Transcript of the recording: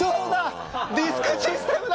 ディスクシステムだ！